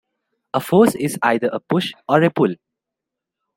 A force is either a push or a pull.